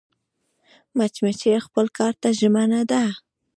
مچمچۍ خپل کار ته ژمنه ده